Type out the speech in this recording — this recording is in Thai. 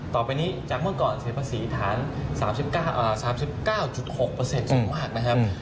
ต่อไปนี้จากเมื่อก่อนเสียภาษีฐาน๓๙๖อย่างมากนะครับ